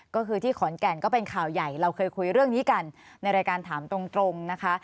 ก็คือที่ขอนแก่นก็เป็นข่าวใหญ่เราเคยคุยเรื่องนี้กันในรายการถามตรงนะคะ